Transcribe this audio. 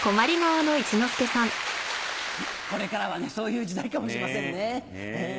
これからはそういう時代かもしれませんね。ねぇ。